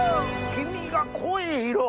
黄身が濃い色。